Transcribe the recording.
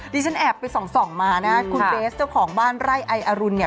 ที่ฉันแอบไปส่องมานะคุณเบสเจ้าของบ้านไร่ไออรุณเนี่ย